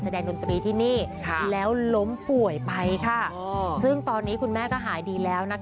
ให้ปู่ที่นี่บอกว่าปู่ขอให้คุณแม่หายป่วยได้ไหม